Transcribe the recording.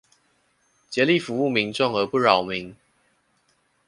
竭力服務民眾而不擾民